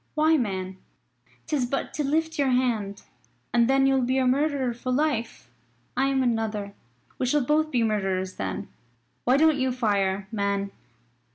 "Why, man, 'tis but to lift your hand. And then you'll be a murderer for life. I am another we shall both be murderers then. Why don't you fire, man."